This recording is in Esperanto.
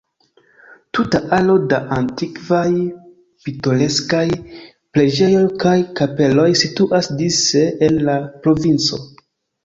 Tuta aro da antikvaj, pitoreskaj preĝejoj kaj kapeloj situas dise en la provinco.